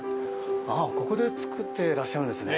ここで作ってらっしゃるんですね。